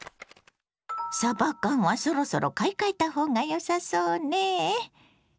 さば缶はそろそろ買い替えた方がよさそうね。